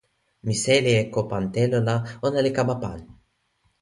mi seli e ko pan telo la ona li kama pan.